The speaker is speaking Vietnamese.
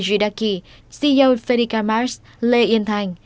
jidaki ceo fetika mars lê yên thành